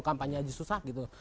kampanye aja susah gitu